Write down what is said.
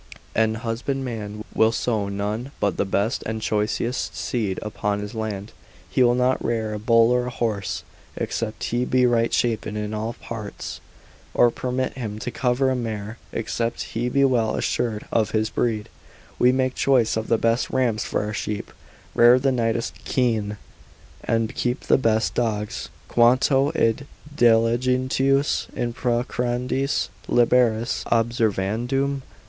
An husbandman will sow none but the best and choicest seed upon his land, he will not rear a bull or a horse, except he be right shapen in all parts, or permit him to cover a mare, except he be well assured of his breed; we make choice of the best rams for our sheep, rear the neatest kine, and keep the best dogs, Quanto id diligentius in procreandis liberis observandum?